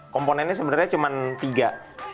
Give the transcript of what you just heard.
komponennya sebenarnya cuma tiga